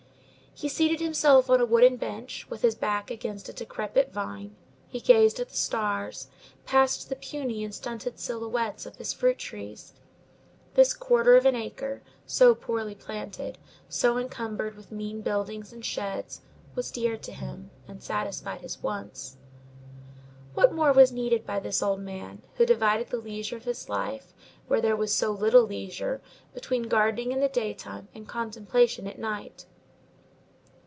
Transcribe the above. He seated himself on a wooden bench, with his back against a decrepit vine; he gazed at the stars, past the puny and stunted silhouettes of his fruit trees. This quarter of an acre, so poorly planted, so encumbered with mean buildings and sheds, was dear to him, and satisfied his wants. What more was needed by this old man, who divided the leisure of his life, where there was so little leisure, between gardening in the daytime and contemplation at night?